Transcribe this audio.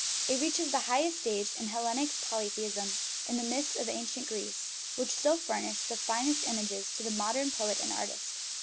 It reaches the highest stage in Hellenic polytheism, in the myths of ancient Greece, which still furnish the finest images to the modern poet and artist.